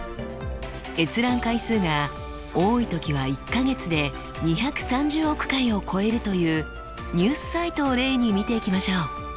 閲覧回数が多い時は１か月で２３０億回を超えるというニュースサイトを例に見ていきましょう。